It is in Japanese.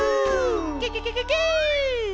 ケケケケケ。